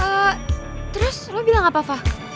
eee terus lo bilang apa fah